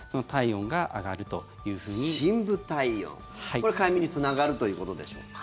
これ、快眠につながるということでしょうか。